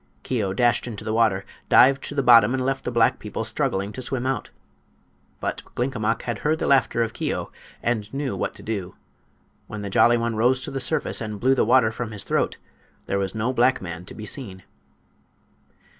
Keo dashed into the water, dived to the bottom and left the black people struggling to swim out. But Glinkomok had heard the laughter of Keo and knew what to do. When the Jolly One rose to the surface and blew the water from his throat there was no black man to be seen.